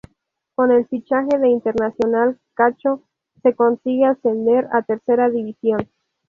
Con el fichaje del internacional Chacho, se consigue ascender a Tercera División.